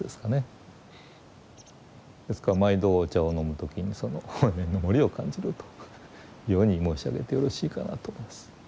ですから毎度お茶を飲む時にその法然の森を感じるというように申し上げてよろしいかなと思います。